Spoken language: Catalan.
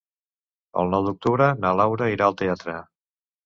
El nou d'octubre na Laura irà al teatre.